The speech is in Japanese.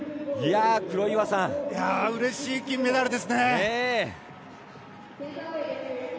うれしい金メダルですね。